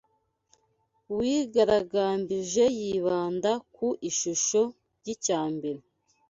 wigaragambije yibanda ku ishusho y’icyambere